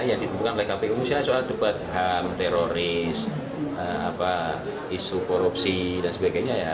yang ditentukan oleh kpu misalnya soal debat ham teroris isu korupsi dan sebagainya ya